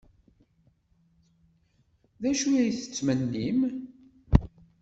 D acu ay tettmennim?